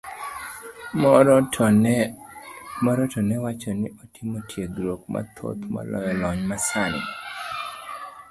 Moro to ne wacho ni otimo tiegruok mathoth maloyo lony masani.